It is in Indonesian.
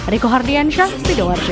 riko hardiansyah sidoarjo